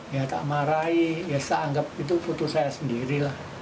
dia tak marahi ya saya anggap itu putus saya sendirilah